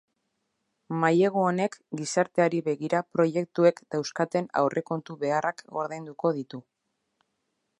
Mailegu honek gizarteari begira proiektuek dauzkaten aurrekontu beharrak ordainduko ditu.